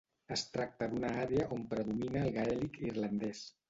Es tracta d'una àrea on predomina el gaèlic irlandès.